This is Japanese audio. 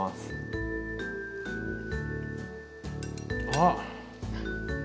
あっ。